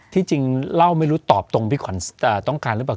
ที่จริงเล่าไม่รู้ตอบตรงพี่ขวัญต้องการหรือเปล่า